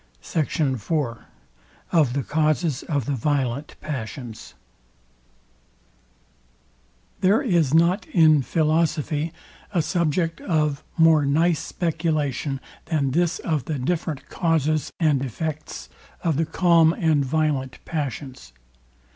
SECT. IV OF THE CAUSES OF THE VIOLENT PASSIONS There is not in philosophy a subject of more nice speculation than this of the different causes and effects of the calm and violent passions.